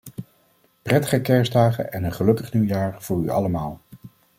Prettige kerstdagen en een gelukkig nieuwjaar voor u allemaal.